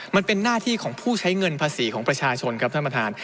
มันเป็นหน้าที่ของผู้ใช้เงินภาษีของประชาชนครับท่านประธาน